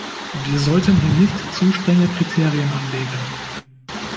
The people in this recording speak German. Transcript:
Wir sollten hier nicht zu strenge Kriterien anlegen.